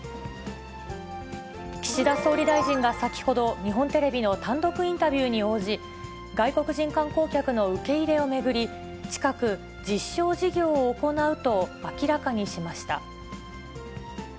岸田総理大臣が先ほど、日本テレビの単独インタビューに応じ、外国人観光客の受け入れを巡り、近く、実証事業を行うと明らかにしました。